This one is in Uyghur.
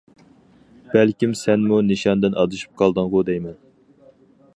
بەلكىم سەنمۇ نىشاندىن ئادىشىپ قالدىڭغۇ دەيمەن.